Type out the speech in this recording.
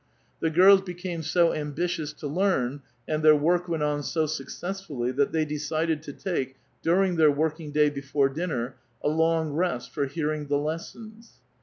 The gins became so ambitious to learn, and their work went on 80 saccessfully, that they decided to take, during their work ^^S day before dinner, a hmg rest for hearing the lessons.